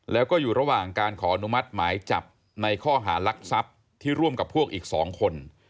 แล้วก็อยู่ระหว่างการขออนุมัติหมายจับในข้อหารักทรัพย์ที่ร่วมกับพวกอีก๒คน